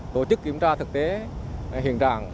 tổ chức kiểm tra thực tế hiện trạng